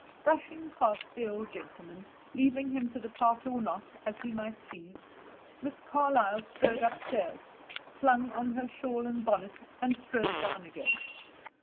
Brushing past the old gentleman, leaving him to depart or not, as he might please, Miss Carlyle strode upstairs, flung on her shawl and bonnet, and strode down again.